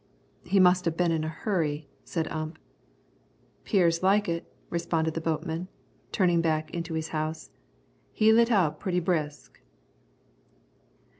"He must have been in a hurry," said Ump. "'Pears like it," responded the boatman, turning back into his house. "He lit out pretty brisk."